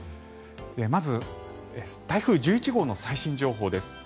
まず、台風１１号の最新情報です。